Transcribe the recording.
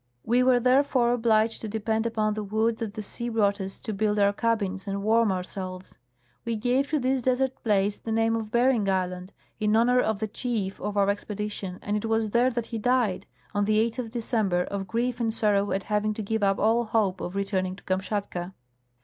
We were, therefore, obliged to depend upon the wood that the sea brought us to build our cabins and warm ourselves. We gave to this desert place the name of Bering island, in honor of the chief of our expedition, and it was there that he died, on the 8th of December, of grief and sorrow at having to give up all hope of returning to Kamshatka.